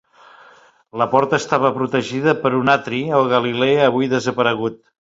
La porta estava protegida per un atri o galilea avui desaparegut.